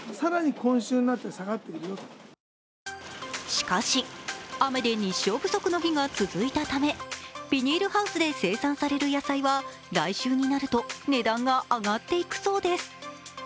しかし、雨で日照不足の日が続いたためビニールハウスで生産される野菜は来週になると値段が上がっていくそうです。